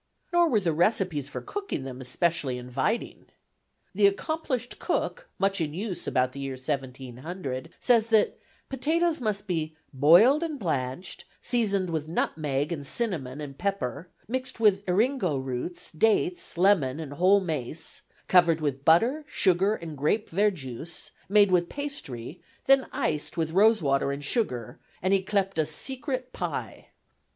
Nor were the recipes for cooking them specially inviting. "The Accomplisht Cook" much in use about the year 1700 says that potatoes must be "boiled and blanched; seasoned with nutmeg and cinnamon and pepper; mixed with eringo roots, dates, lemon, and whole mace; covered with butter, sugar, and grape verjuice, made with pastry; then iced with rosewater and sugar, and yclept a 'Secret Pye.'"